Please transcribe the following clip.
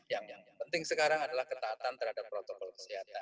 yang penting sekarang adalah ketaatan terhadap protokol kesehatan